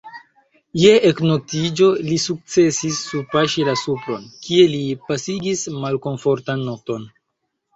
Je eknoktiĝo li sukcesis surpaŝi la supron, kie li pasigis malkomfortan nokton.